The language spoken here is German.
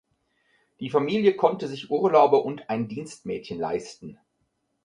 Die Familie konnte sich Urlaube und ein Dienstmädchen leisten.